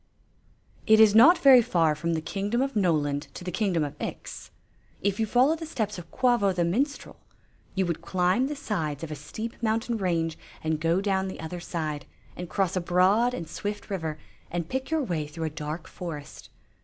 It is not very far from the kingdom of Noland to the kingdom of Ix. If you followed the steps of Quavo the minstrel, you would climb the sides of a steep mountain range, and go down on the other side, and cross a broad and swift river, and pick your way through a dark forest.